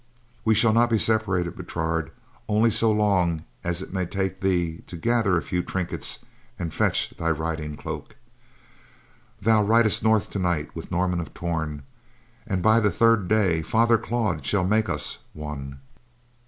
"We shall not be separated, Bertrade; only so long as it may take thee to gather a few trinkets, and fetch thy riding cloak. Thou ridest north tonight with Norman of Torn, and by the third day, Father Claude shall make us one."